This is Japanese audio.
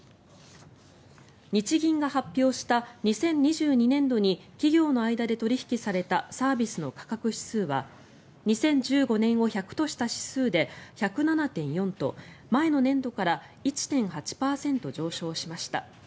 日銀が発表した２０２２年度に企業の間で取引されたサービスの価格指数は２０１５年を１００とした指数で１０７．４と前の年度から１．８％上昇しました。